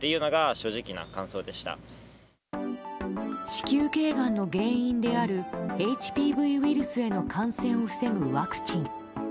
子宮頸がんの原因であるＨＰＶウイルスへの感染を防ぐワクチン。